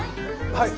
はい？